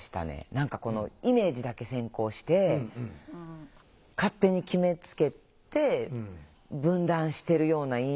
何かこのイメージだけ先行して勝手に決めつけて分断してるような印象で。